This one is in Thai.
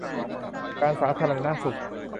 การสาธารณสุข